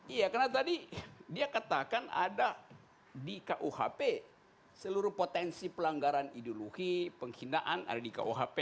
iya karena tadi dia katakan ada di kuhp seluruh potensi pelanggaran ideologi penghinaan ada di kuhp